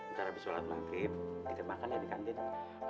ntar abis sholat maghrib kita makan ya di kandid